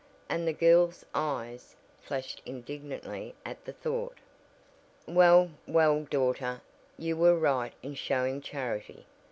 and the girl's eyes flashed indignantly at the thought. "Well, well, daughter; you were right in showing charity.